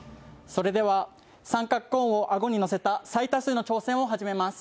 それでは三角コーンをアゴにのせた最多数の挑戦を始めます。